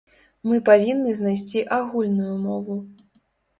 Мы павінны знайсці агульную мову.